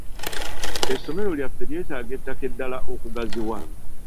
Essomero lyaffe lyetaaga ettaka eddala okugaziwa.